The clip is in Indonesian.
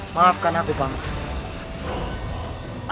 maafkan aku panggung